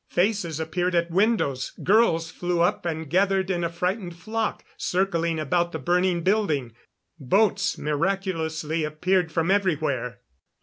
Faces appeared at windows; girls flew up and gathered in a frightened flock, circling about the burning building; boats miraculously appeared from everywhere.